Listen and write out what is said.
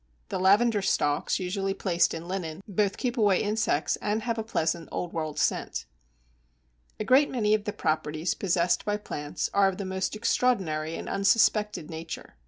The Lavender stalks usually placed in linen both keep away insects and have a pleasant old world scent. A great many of the properties possessed by plants are of the most extraordinary and unsuspected nature.